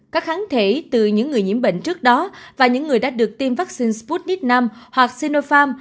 các kháng thể từ những người nhiễm bệnh trước đó và những người đã được tiêm vaccine sputnik v hoặc sinopharm